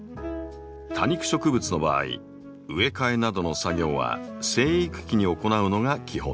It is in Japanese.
多肉植物の場合植え替えなどの作業は生育期に行うのが基本です。